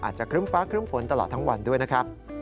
อาจจะเคลื้มฟ้าเคลื้มฝนตลอดทั้งวันด้วยนะครับ